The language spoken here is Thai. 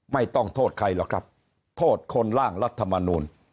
ไม่ต้องโทษใครหรอกครับโทษคนล่างรัฐมนูล